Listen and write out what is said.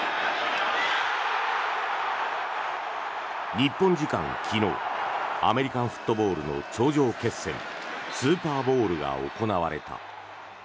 日本時間昨日アメリカンフットボールの頂上決戦スーパーボウルが行われた。